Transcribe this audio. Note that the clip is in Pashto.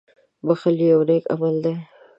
• بښل یو نېک عمل دی.